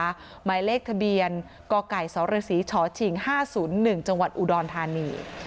หมายเลขทะเบียนกไก่สรศรีชชิง๕๐๑จังหวัดอุดรธานี